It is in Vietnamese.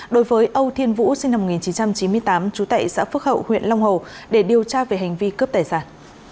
đối với âu thiên vũ sinh năm một nghìn chín trăm chín mươi tám trú tại xã phước hậu huyện long hồ để điều tra về hành vi cướp tài sản